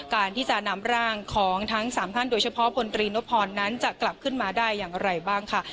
การที่จะนำร่างของทั้ง๓ท่านโดยเฉพาะพลตรีนพรนั้นจะกลับขึ้นมาได้อย่างไรบ้างค่ะ